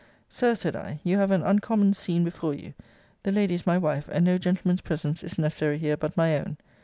Sir, said I, you have an uncommon scene before you. The lady is my wife, and no gentleman's presence is necessary here but my own.